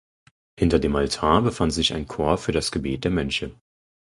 Hinter dem Altar befand sich ein Chor für das Gebet der Mönche.